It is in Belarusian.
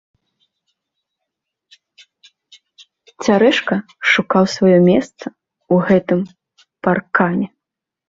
Цярэшка шукаў сваё месца ў гэтым паркане.